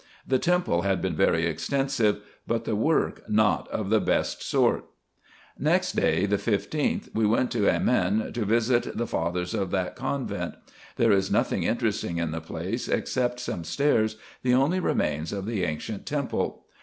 The temple had been very extensive, but the work not of the best sort. Next day, the 15th, we went to Acmin, to visit the fathers of that convent. There is nothing interesting in the place, except some stairs, the only remains of the ancient temple.